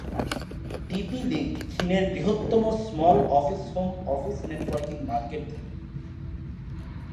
TP-Link চীনের বৃহত্তম small office home office networking মার্কেটধারী।